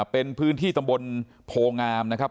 เป็นพื้นที่ตำบลโพงามนะครับ